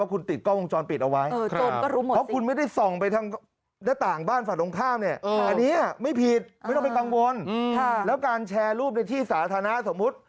ว่าคุณติดกล้องวงจรปิดเอาไว้โจรก็รู้หมดสิเพราะคุณไม่ได้ส่องไป